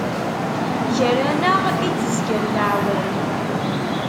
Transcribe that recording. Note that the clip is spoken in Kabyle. Ger-aneɣ i d-zgan leɛwam.